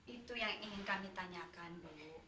itu yang ingin kami tanyakan bu